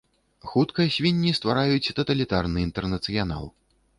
Хутка свінні ствараюць таталітарны інтэрнацыянал.